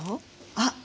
あっ！